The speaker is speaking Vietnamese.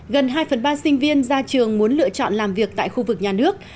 gần hai phần ba sinh viên ra trường muốn lựa chọn làm việc tại khu vực nhà nước